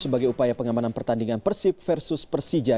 sebagai upaya pengamanan pertandingan persib versus persija